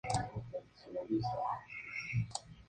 Lo descubrieron, pero pudo evadir la acción policial.